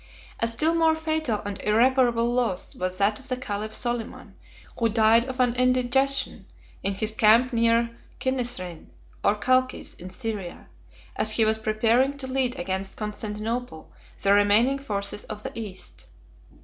A still more fatal and irreparable loss was that of the caliph Soliman, who died of an indigestion, 12 in his camp near Kinnisrin or Chalcis in Syria, as he was preparing to lead against Constantinople the remaining forces of the East.